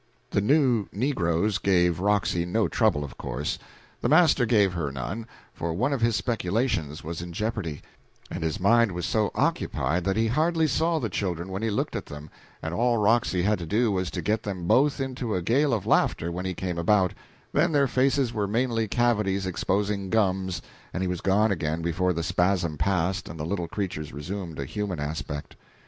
The new negroes gave Roxy no trouble, of course. The master gave her none, for one of his speculations was in jeopardy, and his mind was so occupied that he hardly saw the children when he looked at them, and all Roxy had to do was to get them both into a gale of laughter when he came about; then their faces were mainly cavities exposing gums, and he was gone again before the spasm passed and the little creatures resumed a human aspect.